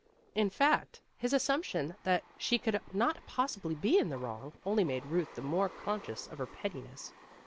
In fact, his assumption that she could not possibly be in the wrong only made Ruth the more conscious of her pettiness.